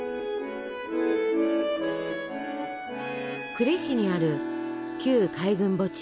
呉市にある旧海軍墓地。